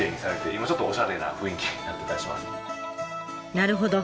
なるほど！